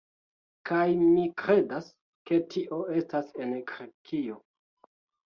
Kaj mi kredas, ke tio estas en Grekio